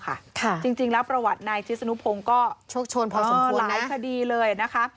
จริงจริงแล้วประวัตินายชิศนุพงศ์ก็โชคโชนพอสมควรหลายคดีเลยนะคะ